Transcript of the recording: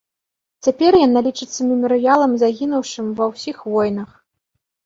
Цяпер яна лічыцца мемарыялам загінуўшым ва ўсіх войнах.